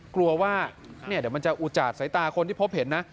กลัวว่าเดี๋ยวมันจะอุจาดสายตาคนที่พบเห็นนะ